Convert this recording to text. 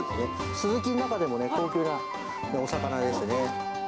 スズキの中でも高級なお魚ですね。